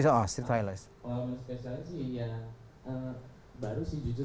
pengalaman spesialnya sih ya baru sih jujur